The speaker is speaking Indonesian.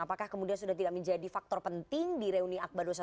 apakah kemudian sudah tidak menjadi faktor penting di reuni akbar dua ratus dua belas